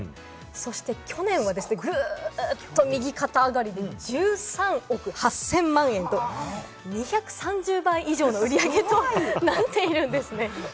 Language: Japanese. そして去年はぐっと右肩上がりで１３億８０００万円と、２３０倍以上の売り上げとなっているんです。